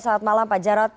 selamat malam pak jaros